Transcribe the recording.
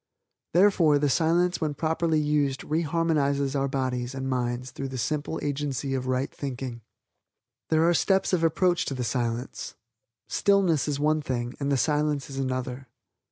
Therefore the Silence when properly used re harmonizes our bodies and minds through the simple agency of right thinking. "There are steps of approach to the Silence. Stillness is one thing and the Silence is another.